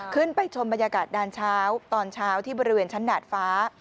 ขึ้นไปชมบรรยากาศดานเช้าตอนเช้าที่บริเวณชั้นดาดฟ้า